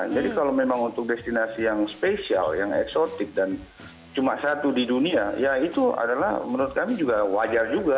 jadi kalau memang untuk destinasi yang spesial yang eksotik dan cuma satu di dunia ya itu adalah menurut kami juga wajar juga